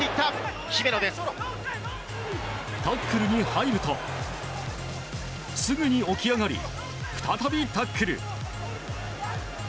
タックルに入るとすぐに起き上がり再びタックル。